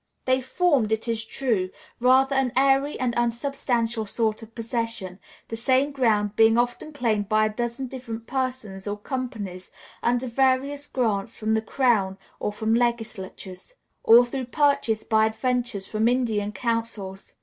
They formed, it is true, rather an airy and unsubstantial sort of possession, the same ground being often claimed by a dozen different persons or companies under various grants from the crown or from legislatures, or through purchase by adventurers from Indian councils.